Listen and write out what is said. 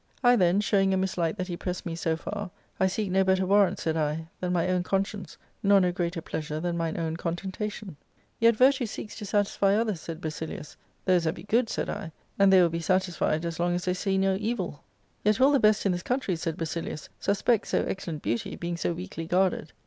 I then, showing a mislike that he pressed me so far, * I seek no better warrant,' safd I, * than my own con science, nor Jio greater pleasure than mine own contentation/ *Yet virtue seeks to satisfy others,' said Basilius, * Those that be good,' said I ;* and they will be satisfied as long as they see no evil.' * Yet will the best in this country,' said BasiUus, ^suspect so excellent beauty, being so weakly ^guarded.'